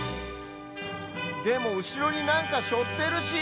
でもうしろになんかしょってるし。